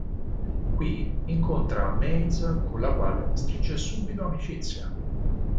Qui incontra Maze con la quale stringe subito amicizia.